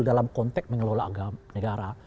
dalam konteks mengelola negara